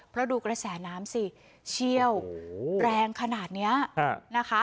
เพราะดูกระแสน้ำสิเชี่ยวแรงขนาดนี้นะคะ